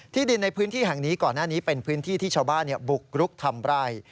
ดินในพื้นที่แห่งนี้ก่อนหน้านี้เป็นพื้นที่ที่ชาวบ้านบุกรุกทำไร่